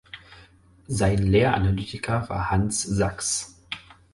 Sein Lehranalytiker war Hanns Sachs.